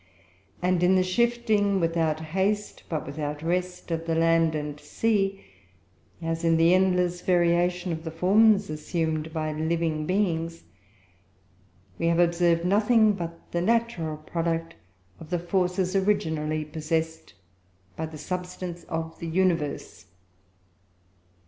And in the shifting "without haste, but without rest" of the land and sea, as in the endless variation of the forms assumed by living beings, we have observed nothing but the natural product of the forces originally possessed by the substance of the universe.